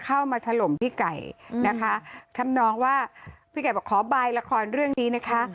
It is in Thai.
ถล่มพี่ไก่นะคะทำนองว่าพี่ไก่บอกขอบายละครเรื่องนี้นะคะ